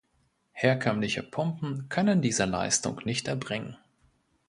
Herkömmliche Pumpen können diese Leistung nicht erbringen.